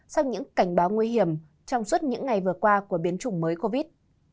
sau những cảnh báo nguy hiểm trong suốt những ngày vừa qua của biến trùng mới covid